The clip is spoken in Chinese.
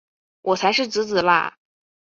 我才是姊姊啦！